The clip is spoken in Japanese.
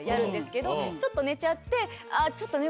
ちょっと寝ちゃって。